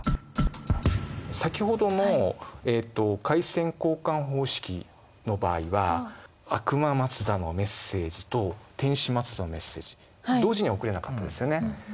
先ほどの回線交換方式の場合は悪魔マツダのメッセージと天使マツダのメッセージ同時には送れなかったですよね。